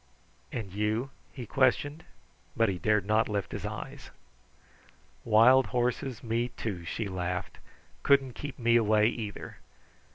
"And you?" he questioned, but he dared not lift his eyes. "Wild horses me, too," she laughed, "couldn't keep me away either!